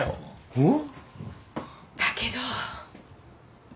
うん。